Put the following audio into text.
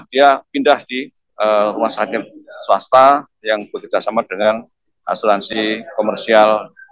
dia pindah di rumah sakit swasta yang bekerjasama dengan asuransi komersial